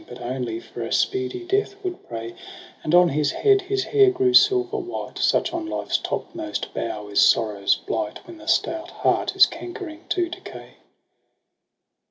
But only for a speedy death would pray ; And on his head his hair grew silver white. — Such on life's topmost bough is sorrow's blight. When the stout heart is cankering to decay.